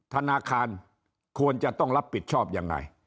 ธนาคารควรจะต้องรับผิดชอบยังไง